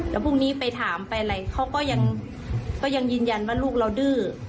แล้วพรุ่งนี้ไปถามไปอะไรเขาก็ยังยืนยันว่าลูกเราดื้อ